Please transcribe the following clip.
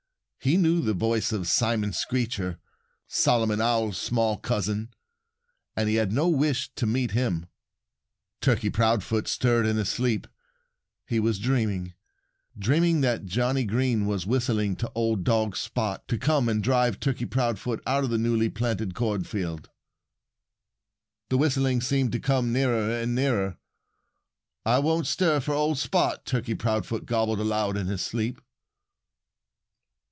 He knew the voice of Simon Screecher, Solomon Owl's small cousin. And he had no wish to meet him. Turkey Proudfoot stirred in his sleep. He was dreaming dreaming that Johnnie Green was whistling to old dog Spot to come and drive Turkey Proudfoot out of the newly planted cornfield. The whistling seemed to come nearer and nearer. "I won't stir for old Spot," Turkey Proudfoot gobbled aloud in his sleep.